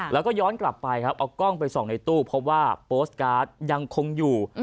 แล้วก็ย้อนกลับไปครับเอากล้องไปส่องในตู้พบว่าโปสตการ์ดยังคงอยู่